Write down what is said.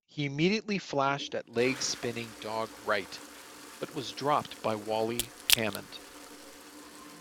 He immediately flashed at leg spinner Doug Wright, but was dropped by Wally Hammond.